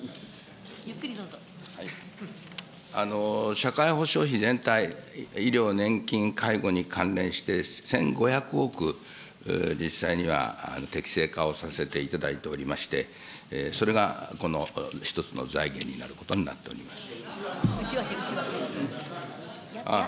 社会保障費全体、医療、年金、介護に関連して、１５００億、実際には適正化をさせていただいておりまして、それがこの一つの財源になることになっております。